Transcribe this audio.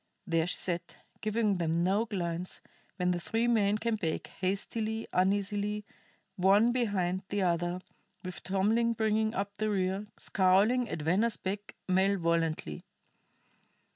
There she sat, giving them no glance, when the three men came back, hastily, uneasily, one behind the other, with Tomlin bringing up the rear, scowling at Venner's back malevolently.